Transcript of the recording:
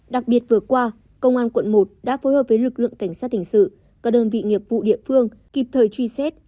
đặc biệt vừa qua công an quận một đã phối hợp với lực lượng cảnh sát hình sự các đơn vị nghiệp vụ địa phương kịp thời truy xét